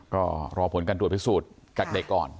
ก็รอผลการตรวจไปสูดกักเด็กก่อน